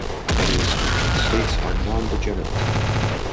That is, the states are nondegenerate.